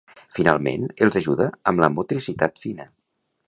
Finalment, els ajuda amb la motricitat fina